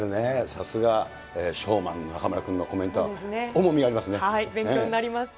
さすが、ショーマンの中丸君のコメント重みがありますね。